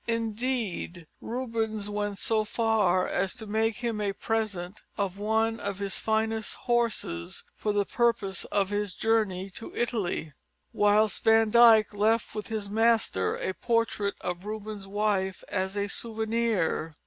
Indeed, Rubens went so far as to make him a present of one of his finest horses for the purpose of his journey in Italy, whilst Van Dyck left with his master a portrait of Rubens' wife as a souvenir.